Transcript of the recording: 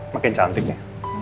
makin cantik ya